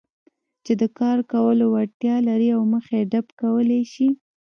چې د کار کولو وړتیا لري او مخه يې ډب کولای شي.